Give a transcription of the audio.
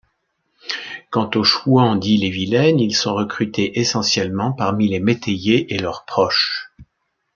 Quant aux chouans d'Ille-et-Vilaine, ils sont recrutés essentiellement parmi les métayers et leurs proches.